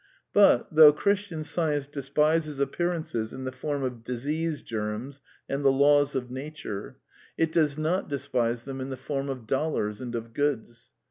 But, though Christian Science despises appearances in the form of disease germs and the laws of nature, it does not despise them in the form of dollars and of goods.